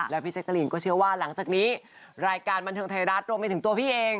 แล้วพี่แจ๊กรีนก็เชื่อว่าหลังจากนี้รายการบันเทิงไทยรัฐรวมไปถึงตัวพี่เอง